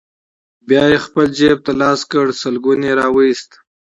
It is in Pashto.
بيا يې خپل جيب ته لاس کړ، شلګون يې راوايست: